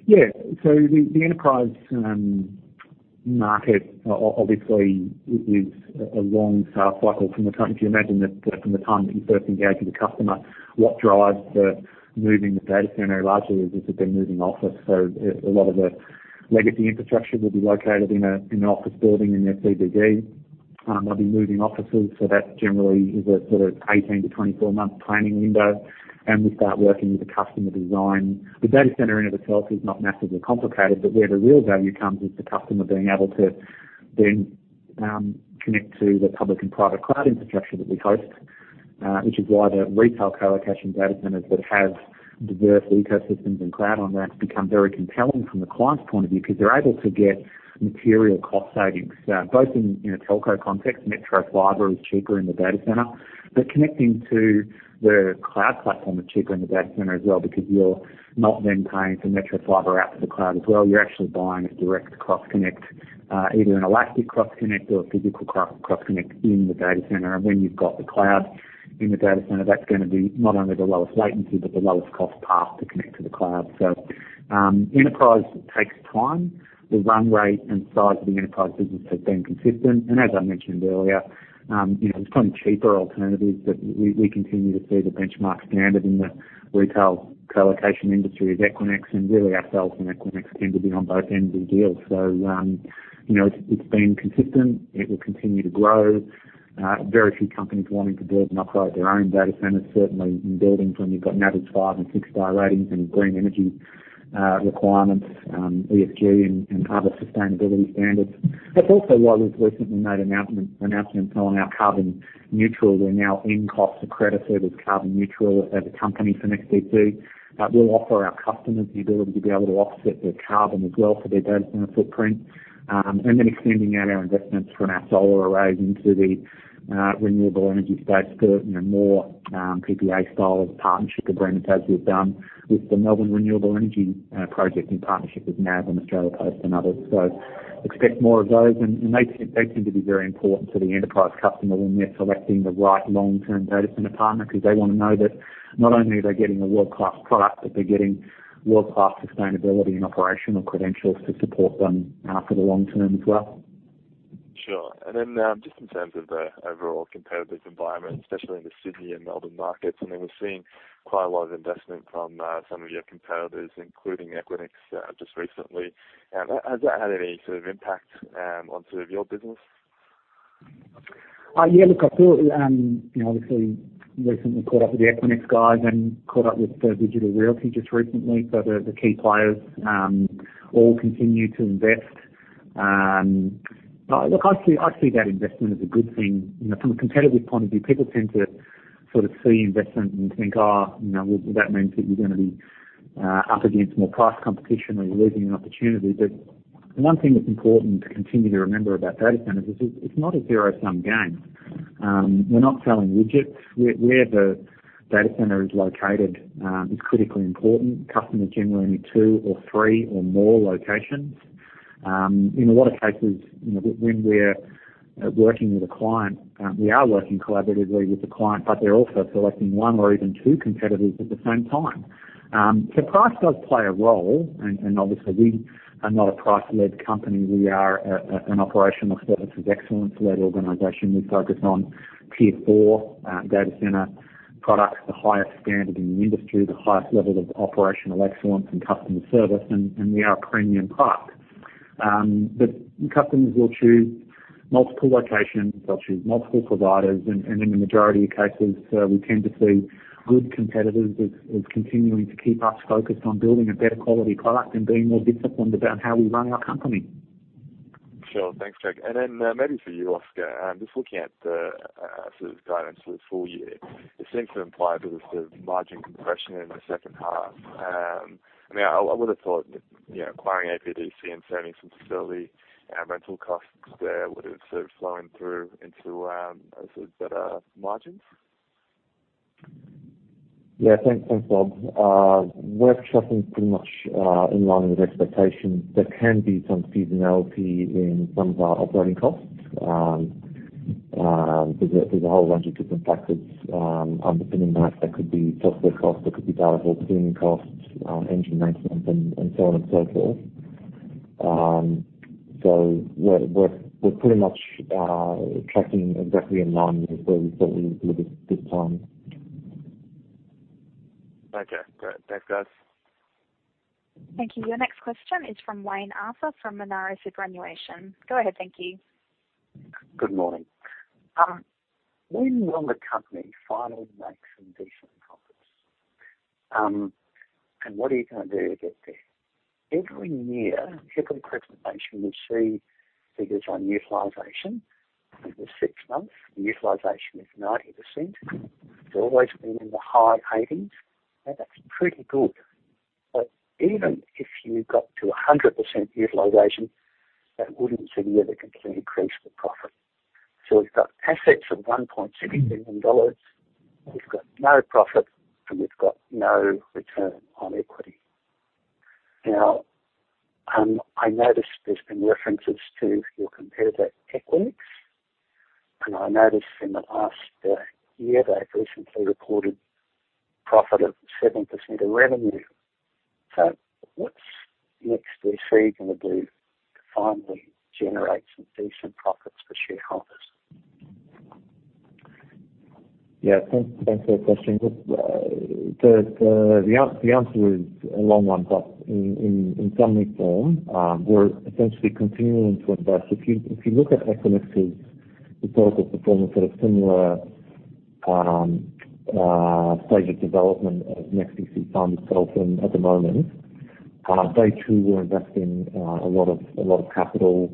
Yeah. The enterprise market obviously is a long sales cycle from the time, if you imagine that from the time that you first engage with a customer, what drives the moving the data center largely is if they're moving office. A lot of the legacy infrastructure will be located in an office building in their CBD. They'll be moving offices, so that generally is a sort of 18 to 24 month planning window. We start working with a customer design. The data center in of itself is not massively complicated, but where the real value comes is the customer being able to then connect to the public and private cloud infrastructure that we host, which is why the retail colocation data centers that have diverse ecosystems and cloud on-ramps become very compelling from the client's point of view, because they're able to get material cost savings, both in a telco context, metro fiber is cheaper in the data center. Connecting to the cloud platform is cheaper in the data center as well, because you're not then paying for metro fiber out to the cloud as well. You're actually buying a direct cross connect, either an elastic cross connect or a physical cross connect in the data center. When you've got the cloud in the data center, that's going to be not only the lowest latency, but the lowest cost path to connect to the cloud. Enterprise takes time. The run rate and size of the enterprise business has been consistent. As I mentioned earlier, there's plenty cheaper alternatives, but we continue to see the benchmark standard in the retail colocation industry with Equinix and really ourselves and Equinix tend to be on both ends of the deal. It's been consistent. It will continue to grow. Very few companies wanting to build and operate their own data centers, certainly in buildings when you've got NABERS 5 and 6 star ratings and green energy requirements, ESG and other sustainability standards. That's also why we've recently made announcements on our carbon neutral. We're now NCOS accredited carbon-neutral as a company for NEXTDC. We'll offer our customers the ability to be able to offset their carbon as well for their data center footprint, then extending out our investments from our solar arrays into the renewable energy space for more PPA style of partnership agreements as we've done with the Melbourne Renewable Energy Project in partnership with NAB and Australia Post and others. Expect more of those. They seem to be very important to the enterprise customer when they're selecting the right long-term data center partner, because they want to know that not only are they getting a world-class product, but they're getting world-class sustainability and operational credentials to support them for the long term as well. Sure. Then just in terms of the overall competitive environment, especially in the Sydney and Melbourne markets, I mean, we're seeing quite a lot of investment from some of your competitors, including Equinix just recently. Has that had any sort of impact on sort of your business? I thought, obviously recently caught up with the Equinix guys and caught up with Digital Realty just recently. The key players all continue to invest. I see that investment as a good thing. From a competitive point of view, people tend to sort of see investment and think, "Oh, that means that you're going to be up against more price competition or you're losing an opportunity." The one thing that's important to continue to remember about data centers is it's not a zero-sum game. We're not selling widgets. Where the data center is located is critically important. Customers generally need two or three or more locations. In a lot of cases, when we're working with a client, we are working collaboratively with the client, but they're also selecting one or even two competitors at the same time. Price does play a role, and obviously we are not a price-led company. We are an operational services excellence led organization. We focus on Tier IV data center products, the highest standard in the industry, the highest levels of operational excellence and customer service, and we are premium priced. Customers will choose multiple locations, they'll choose multiple providers, and in the majority of cases, we tend to see good competitors as continuing to keep us focused on building a better quality product and being more disciplined about how we run our company. Sure. Thanks, Craig. Then maybe for you, Oskar, just looking at the sort of guidance for the full year, it seems to imply there's a sort of margin compression in the second half. I would've thought acquiring APDC and saving some facility and rental costs there would have sort of flowing through into better margins. Thanks, Bob. We're tracking pretty much in line with expectations. There can be some seasonality in some of our operating costs. There's a whole range of different factors underpinning that. That could be software costs, that could be data hall cleaning costs, engine maintenance, and so on and so forth. We're pretty much tracking exactly in line with where we thought we'd be at this time. Okay, great. Thanks, guys. Thank you. Your next question is from Wayne Arthur from Monaro Superannuation. Go ahead. Thank you. Good morning. What are you going to do to get there? Every year, every presentation, we see figures on utilization. For six months, the utilization is 90%. It's always been in the high 80s, and that's pretty good. Even if you got to 100% utilization, that wouldn't significantly increase the profit. We've got assets of 1.7 billion dollars, we've got no profit, and we've got no return on equity. Now, I noticed there's been references to your competitor, Equinix, and I noticed in the past year, they've recently recorded profit of 7% of revenue. What's NEXTDC going to do to finally generate some decent profits for shareholders? Yeah, thanks for the question. The answer is a long one, but in summary form, we're essentially continuing to invest. If you look at Equinix's historical performance at a similar stage of development as NEXTDC finds itself in at the moment, they too were investing a lot of capital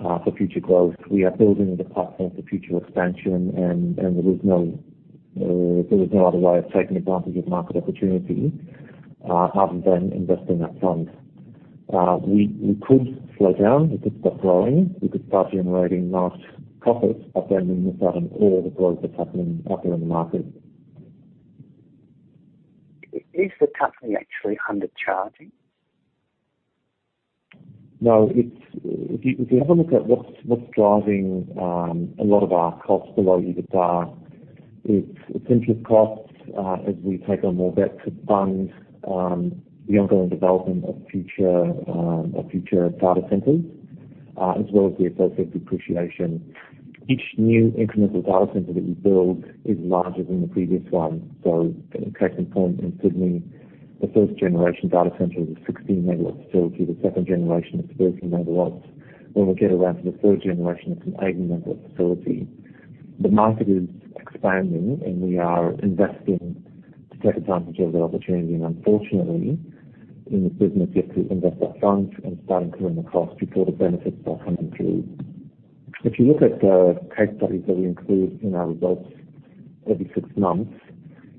for future growth. We are building in the platform for future expansion, there is no other way of taking advantage of market opportunity other than investing that fund. We could slow down. We could stop growing. We could start generating nice profits, we miss out on all the growth that's happening out there in the market. Is the company actually undercharging? No. If you have a look at what's driving a lot of our costs, the low EBITDA, it's essentially costs as we take on more debt to fund the ongoing development of future data centers, as well as the associated depreciation. Each new incremental data center that we build is larger than the previous one. A case in point in Sydney, the first generation data center is a 16 megawatt facility. The second generation is 30 megawatts. When we get around to the third generation, it's an 80 megawatt facility. The market is expanding, we are investing to take advantage of that opportunity, unfortunately, in the business, you have to invest up front and start incurring the cost before the benefits are coming through. If you look at the case studies that we include in our results every six months,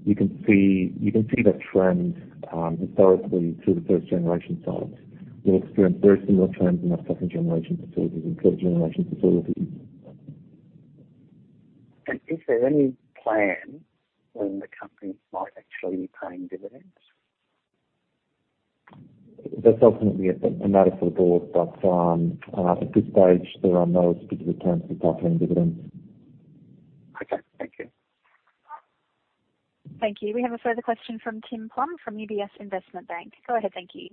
you can see the trends historically through the first generation sites. We'll experience very similar trends in our second generation facilities and third generation facilities. Is there any plan when the company might actually be paying dividends? That's ultimately a matter for the board. At this stage, there are no specific plans to start paying dividends. Okay, thank you. Thank you. We have a further question from Tim Plumbe from UBS Investment Bank. Go ahead. Thank you.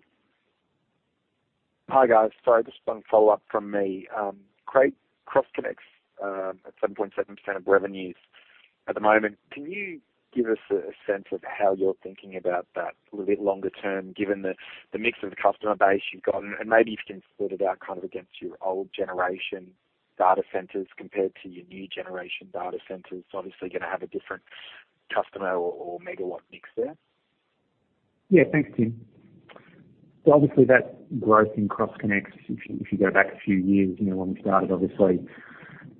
Hi, guys. Sorry, just one follow-up from me. Craig, Cross Connects at 7.7% of revenues at the moment. Can you give us a sense of how you're thinking about that a little bit longer term, given the mix of the customer base you've got and maybe if you can split it out kind of against your old generation data centers compared to your new generation data centers? It's obviously going to have a different customer or megawatt mix there. Thanks, Tim. Obviously that growth in Cross Connects, if you go back a few years, when we started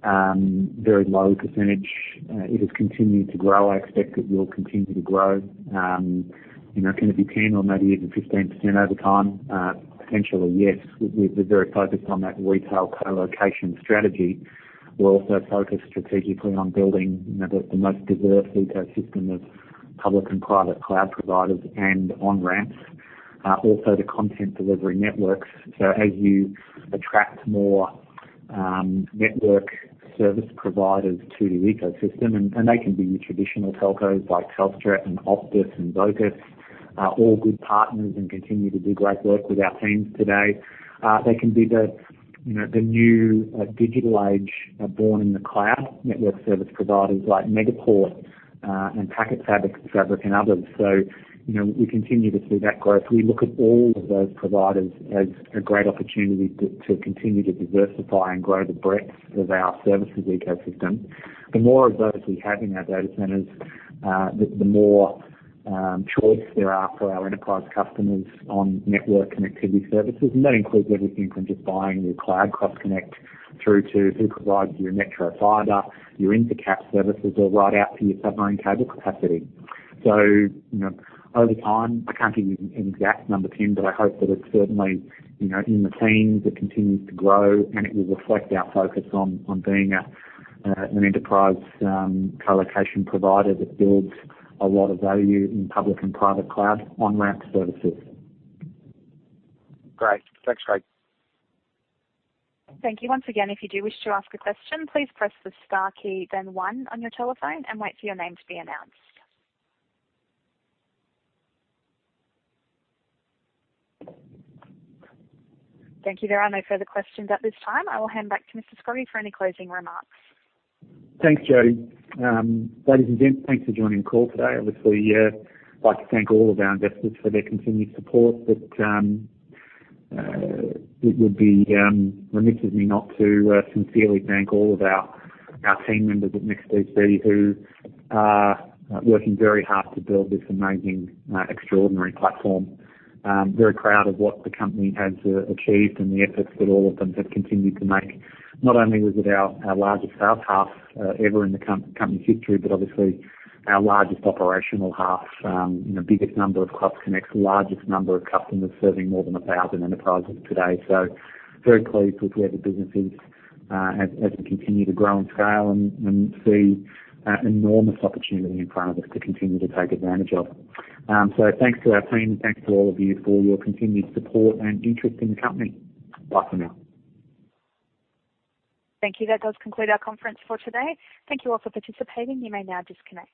obviously, very low percentage. It has continued to grow. I expect it will continue to grow. Can it be 10 or maybe even 15% over time? Potentially, yes. We are very focused on that retail colocation strategy. We are also focused strategically on building the most diverse ecosystem of public and private cloud providers and on-ramps. Also the content delivery networks. As you attract more network service providers to the ecosystem, and they can be your traditional telcos like Telstra and Optus and Vocus are all good partners and continue to do great work with our teams today. They can be the new digital age born in the cloud network service providers like Megaport and PacketFabric and others. We continue to see that growth. We look at all of those providers as a great opportunity to continue to diversify and grow the breadth of our services ecosystem. The more of those we have in our data centers, the more choice there are for our enterprise customers on network connectivity services. That includes everything from just buying your cloud Cross Connect through to who provides your metro fiber, your interconnects services, or right out to your submarine cable capacity. Over time, I can not give you an exact number, Tim, but I hope that it is certainly in the teens. It continues to grow, and it will reflect our focus on being an enterprise colocation provider that builds a lot of value in public and private cloud on-ramp services. Great. Thanks, Craig. Thank you. Once again, if you do wish to ask a question, please press the star key then one on your telephone and wait for your name to be announced. Thank you. There are no further questions at this time. I will hand back to Mr. Scroggie for any closing remarks. Thanks, Jody. Ladies and gents, thanks for joining the call today. Obviously, like to thank all of our investors for their continued support, but it would be remiss of me not to sincerely thank all of our team members at NEXTDC who are working very hard to build this amazing, extraordinary platform. Very proud of what the company has achieved and the efforts that all of them have continued to make. Not only was it our largest sales half ever in the company's history, but obviously our largest operational half, biggest number of cloud connects, largest number of customers, serving more than 1,000 enterprises today. Very pleased with where the business is as we continue to grow and scale and see enormous opportunity in front of us to continue to take advantage of. Thanks to our team. Thanks to all of you for your continued support and interest in the company. Bye for now. Thank you. That does conclude our conference for today. Thank you all for participating. You may now disconnect.